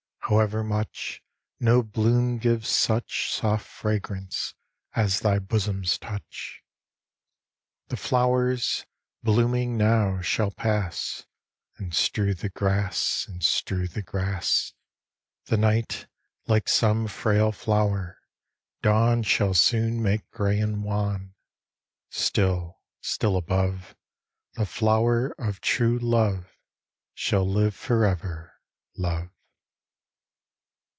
However much, No bloom gives such Soft fragrance as thy bosom's touch. The flowers, blooming now, shall pass, And strew the grass, and strew the grass; The night, like some frail flower, dawn Shall soon make gray and wan. Still, still above, The flower of True love shall live forever, love.